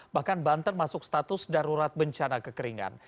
bahkan banten masuk status darurat bencana kekeringan